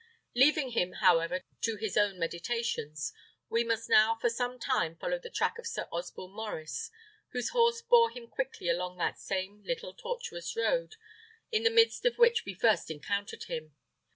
Leaving him, however, to his own meditations, we must now, for some time, follow the track of Sir Osborne Maurice, whose horse bore him quickly along that same little tortuous road in the midst of which we first encountered him.